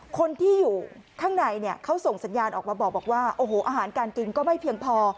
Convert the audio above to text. คนที่อยู่ข้างในเนี่ยเขาส่งสัญญาณออกมาบอกว่าโอ้โหอาหารการกินก็ไม่เพียงพอ